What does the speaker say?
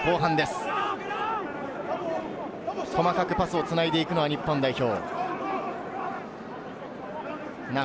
細かくパスをつないでいくのは日本代表。